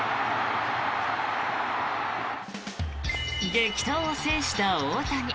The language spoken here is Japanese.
激闘を制した大谷。